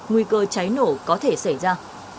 nguy cơ cháy nổ có thể xảy ra